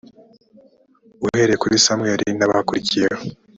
uhereye kuri samweli n abakurikiyeho